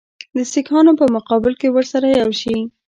د سیکهانو په مقابل کې ورسره یو شي.